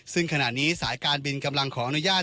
ซึ่งขณะนี้สายการบินกำลังขออนุญาต